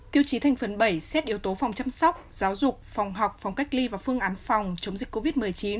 tiêu chí thành phần bảy xét yếu tố phòng chăm sóc giáo dục phòng học phòng cách ly và phương án phòng chống dịch covid một mươi chín